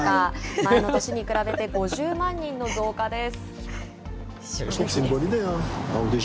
前の年に比べて５０万人の増加です。